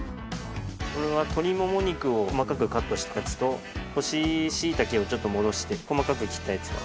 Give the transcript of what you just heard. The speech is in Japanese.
これは鶏モモ肉を細かくカットしたやつと。をちょっと戻して細かく切ったやつ。